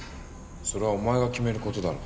それはお前が決めることだろ。